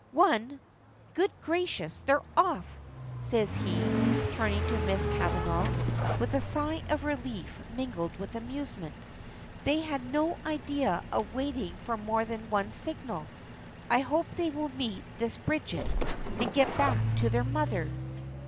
One Good gracious, they're off," says he, turning to Miss Kavanagh with a sigh of relief mingled with amusement. "They had no idea of waiting for more than one signal. I hope they will meet this Bridget, and get back to their mother."